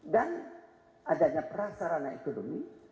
dan adanya prasarana ekonomi